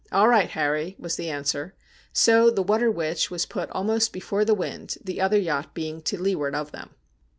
' All right, Harry,' was the answer. So the ' Water Witch ' was put almost before the wind, the other yacht being to lee ward of them.